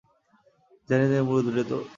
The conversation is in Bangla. জানি জানি মুরোদ রে তোর।